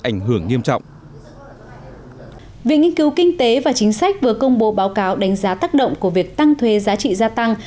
viện nghiên cứu kinh tế và chính sách vừa công bố báo cáo đánh giá tác động của việc tăng thuê giá trị gia tăng